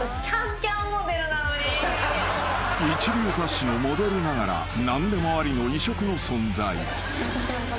［一流雑誌のモデルながら何でもありの異色の存在］